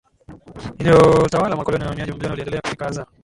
iliyotawala makaloni Wahamiaji mamilioni waliendelea kufika hasa